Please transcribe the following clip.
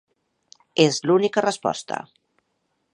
És l'única resposta.